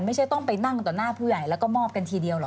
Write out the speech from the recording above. ไม่ใช่ต้องไปนั่งต่อหน้าผู้ใหญ่แล้วก็มอบกันทีเดียวหรอ